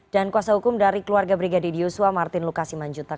dan kuasa hukum dari keluarga brigadi di uswa martin lukasiman juta